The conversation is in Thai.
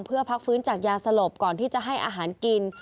เพื่อพักฟื้นจากยาสลบก่อนที่จะให้อาหารกิน